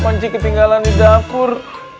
kunci ketinggalan di dapur